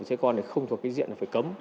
xe con thì không thuộc cái diện phải cấm